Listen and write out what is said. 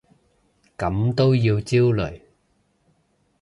咁都要焦慮？